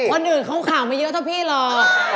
วันอื่นเขาข่าวไม่เยอะเท่าพี่หรอก